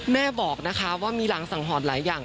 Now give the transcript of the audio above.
แม่บอกนะคะว่ามีหลังสังหรณ์หลายอย่าง